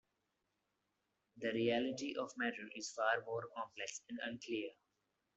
The reality of the matter is far more complex and unclear.